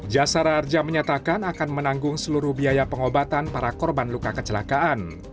jasara harja menyatakan akan menanggung seluruh biaya pengobatan para korban luka kecelakaan